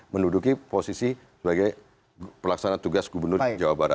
menduduki posisi sebagai pelaksana tugas gubernur jawa barat